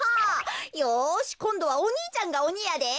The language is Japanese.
よしこんどはお兄ちゃんがおにやで。